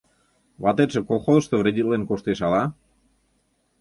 Ватетше колхозышто вредитлен коштеш ала...